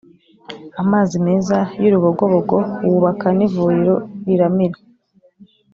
amazi meza y’urubogobogo, wubaka n’ivuriro riramira